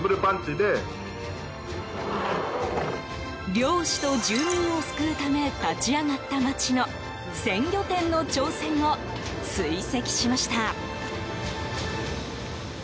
漁師と住民を救うため立ち上がった町の鮮魚店の挑戦を追跡しました。